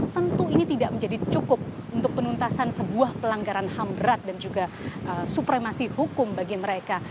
tentu ini tidak menjadi cukup untuk penuntasan sebuah pelanggaran ham berat dan juga supremasi hukum bagi mereka